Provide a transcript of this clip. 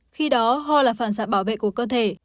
khi đó ho là phản xạ bảo vệ của cơ thể